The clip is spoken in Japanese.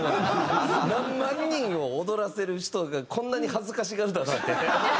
何万人を踊らせる人がこんなに恥ずかしがるだなんて。